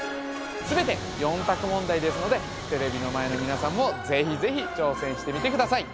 全て４択問題ですのでテレビの前の皆さんもぜひぜひ挑戦してみてください